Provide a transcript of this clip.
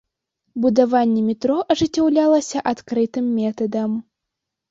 Будаванне метро ажыццяўлялася адкрытым метадам.